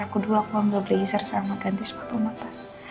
aku dulu ambil blazer sama ganti sepatu matas